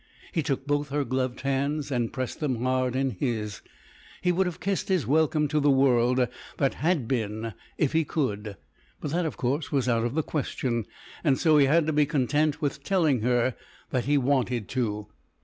He took both her gloved hands and pressed them hard in his. He would have kissed his welcome to the World that Had Been if he could, but that of course was out of the question, and so he had to be content with telling her that he wanted to.